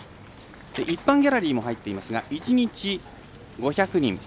一般ギャラリーも入っていますが１日５００人。